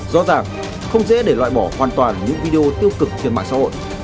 rõ ràng không dễ để loại bỏ hoàn toàn những video tiêu cực trên mạng xã hội